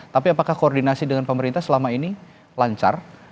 tapi apakah koordinasi dengan pemerintah selama ini lancar